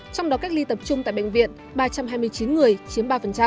trong đó cách ly tập trung tại bệnh viện ba trăm hai mươi chín người chiếm ba